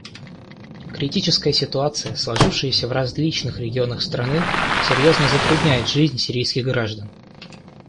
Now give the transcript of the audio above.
Критическая ситуация, сложившаяся в различных районах страны, серьезно затрудняет жизнь сирийских граждан.